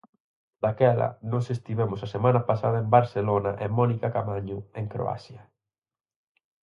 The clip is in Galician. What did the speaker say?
Daquela, nós estivemos a semana pasada en Barcelona e Mónica Camaño, en Croacia.